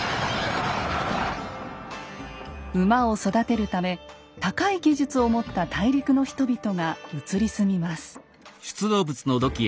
馬を育てるため高い技術を持った大陸の人々が移り住みます。